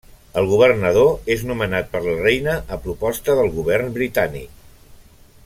El Governador és nomenat per la Reina a proposta del Govern britànic.